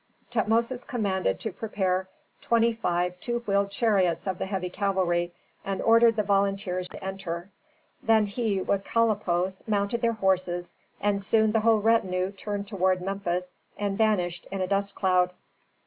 Tutmosis commanded to prepare twenty five two wheeled chariots of the heavy cavalry, and ordered the volunteers to enter. Then he with Kalippos mounted their horses, and soon the whole retinue turned toward Memphis and vanished in a dust cloud.